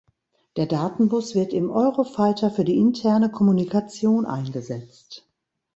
Der Datenbus wird im Eurofighter für die interne Kommunikation eingesetzt.